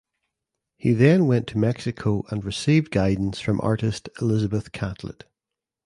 He then went to Mexico and received guidance from artist Elizabeth Catlett.